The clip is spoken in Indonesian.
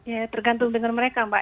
ya tergantung dengan mereka mbak